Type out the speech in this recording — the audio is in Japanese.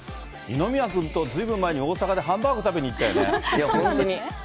二宮君とずいぶん前に大阪でハンバーグ食べに行ったよね。